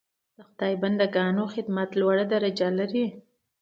د خدای بنده ګانو خدمت لوړه درجه لري.